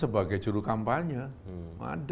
sebagai juru kampanye